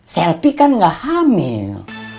selfie kan gak hamil